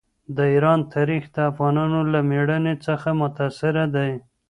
د ایران تاریخ د افغانانو له مېړانې څخه متاثره دی.